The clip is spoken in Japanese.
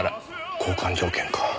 交換条件か。